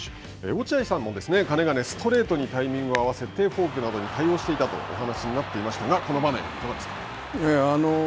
落合さんもかねがねストレートにタイミングを合わせてフォークなどに対応していたとお話しになっていましたがこの場面、いかがですか。